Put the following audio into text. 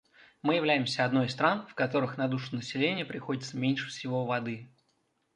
Мы являемся одной из стран, в которых на душу населения приходится меньше всего воды.